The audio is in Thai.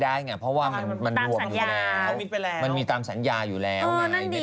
ใช่อันนั้นเข้าใจอีกไหมบ้างยังไม่รู้สิ